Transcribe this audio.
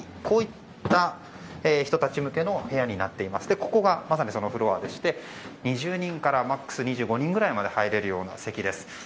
こういった人たち向けの部屋になっていましてここがまさにそのフロアでして２０人からマックス２５人ぐらいが入れるような席です。